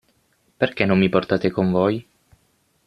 Perché non mi portate con voi?